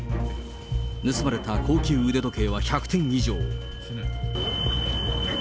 盗まれた高級腕時計は１００点以上。